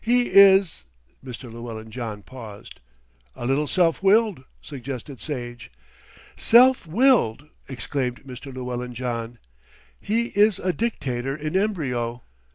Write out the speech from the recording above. He is " Mr. Lewellyn John paused. "A little self willed," suggested Sage. "Self willed!" exclaimed Mr. Llewellyn John. "He is a dictator in embryo."